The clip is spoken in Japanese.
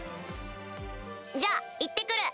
じゃあいってくる。